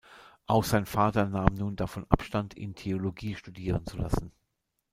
Auch sein Vater nahm nun davon Abstand ihn Theologie studieren zu lassen.